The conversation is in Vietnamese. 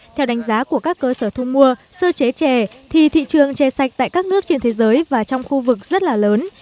theo đánh giá của các cơ sở thu mua sơ chế chè thì thị trường chè sạch tại các nước trên thế giới và trong khu vực rất là lớn